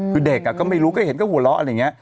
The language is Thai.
คือเด็กก็ไม่รู้ก็เห็นก็หัวเราะอะไรอย่างนี้